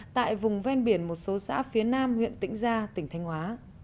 tại vùng ven biển một số xã phía nam huyện tĩnh gia tỉnh thanh hóa